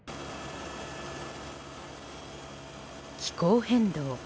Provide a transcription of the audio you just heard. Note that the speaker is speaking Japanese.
気候変動。